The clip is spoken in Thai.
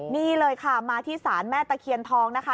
นี่เลยค่ะมาที่ศาลแม่ตะเคียนทองนะคะ